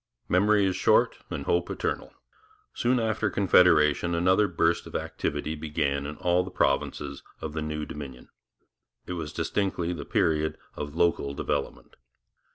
Memory is short and hope eternal. Soon after Confederation another burst of activity began in all the provinces of the new Dominion. It was distinctly the period of local development.